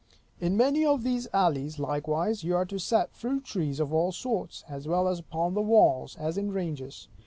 In many of these alleys, likewise, you are to set fruit trees of all sorts; as well upon the walls, as in ranges.